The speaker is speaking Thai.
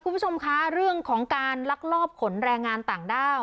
คุณผู้ชมคะเรื่องของการลักลอบขนแรงงานต่างด้าว